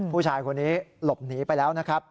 ผู้ชายคนนี้หลบหนีไปแล้ว